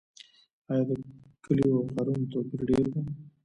آیا د کلیو او ښارونو توپیر ډیر دی؟